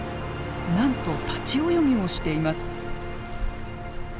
なんと立ち泳ぎをしています。